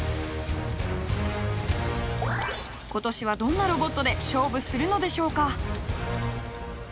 今年はどんなロボットで勝負するのでしょうか？